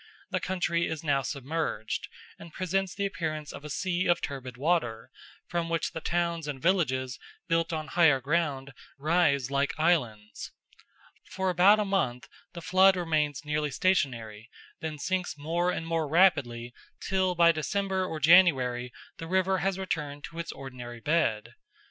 The country is now submerged, and presents the appearance of a sea of turbid water, from which the towns and villages, built on higher ground, rise like islands. For about a month the flood remains nearly stationary, then sinks more and more rapidly, till by December or January the river has returned to its ordinary bed.